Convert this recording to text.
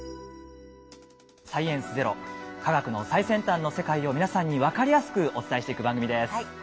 「サイエンスＺＥＲＯ」科学の最先端の世界を皆さんに分かりやすくお伝えしていく番組です。